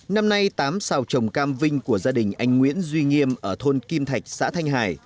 năm nay tám xào trồng cam vinh của gia đình anh nguyễn duy nghiêm ở thôn kim thạch xã thanh hải